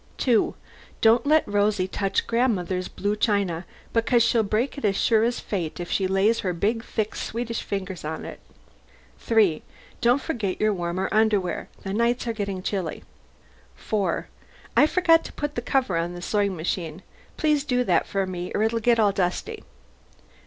2. Don't let Rosie touch grandmother's blue china, because she'll break it as sure as fate if she lays her big, thick Swedish fingers on it. 3. Don't forget your warmer underwear. The nights are getting chilly. 4. I forgot to put the cover on the sewing machine. Please do that for me or it'll get all dusty.